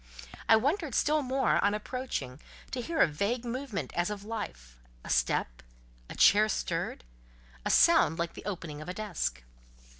I wondered still more, on approaching, to hear a vague movement as of life—a step, a chair stirred, a sound like the opening of a desk.